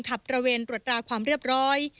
ตระเวนตรวจตราความเรียบร้อย